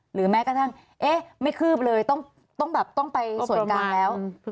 แม้กระทั่งเอ๊ะไม่คืบเลยต้องแบบต้องไปส่วนกลางแล้ว